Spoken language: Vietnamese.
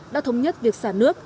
đã thống nhất việc xả nước